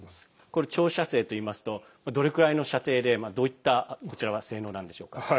長射程といいますとどれくらいの射程でどういった性能のものなんでしょうか。